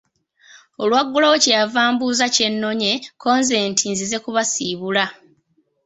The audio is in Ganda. Olwaggulawo kye yava ambuuza kye nnonye ko nze nti nzize kubasiibula.